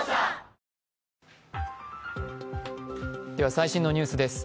最新のニュースです。